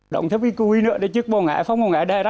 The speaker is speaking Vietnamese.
đóng theo bí cúi nữa để trước bò ngã phong bò ngã đè ra